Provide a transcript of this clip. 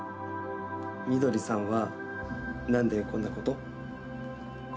翠さんは何でこんなこと？